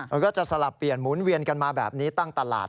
มันก็จะสลับเปลี่ยนหมุนเวียนกันมาแบบนี้ตั้งตลาด